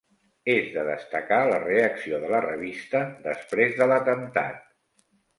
És de destacar la reacció de la revista després de l'atemptat.